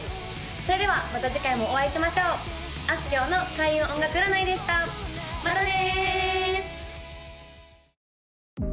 それではまた次回もお会いしましょうあすきょうの開運音楽占いでしたまたね